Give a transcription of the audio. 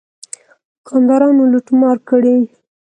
دوکاندارانو لوټ مار کړی.